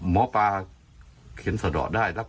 ม้อปลาเข็งสะดอกได้